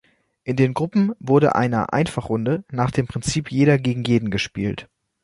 In den Gruppen wurde einer Einfachrunde nach dem Prinzip jeder gegen jeden gespielt.